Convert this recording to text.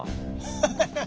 ハハハハ！